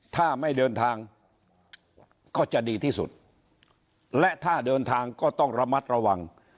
ถ้าไม่เดินทางก็จะดีที่สุดและถ้าเดินทางก็ต้องระมัดระวัง